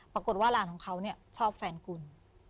ปรากฏว่าหลานของเขาเนี่ยชอบแฟนคุณ